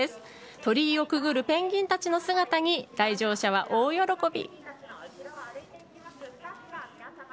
鳥居をくぐるペンギンたちの姿に来場者は大喜び。